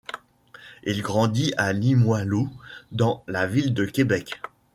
Il grandit à Limoilou dans la ville de Québec.